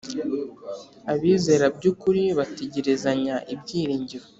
Abizera byukuri bategerezanya ibyiringiro